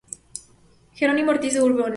Jerónimo Ortiz de Urbina